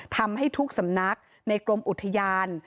ทำให้ทุกสำนักในกรมอุทยาน